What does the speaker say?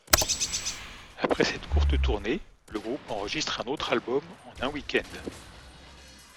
Après cette courte tournée, le groupe enregistre un autre album en un week-end.